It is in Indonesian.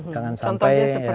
tampaknya seperti itu